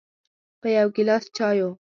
په یو ګیلاس چایو